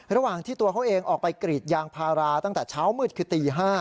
ระหว่างที่ตัวเขาเองออกไปกรีดยางพาราตั้งแต่เช้ามืดคือตี๕